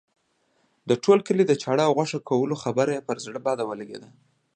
د ټول کلي د چاړه او غوښه کولو خبره یې پر زړه بد ولګېده.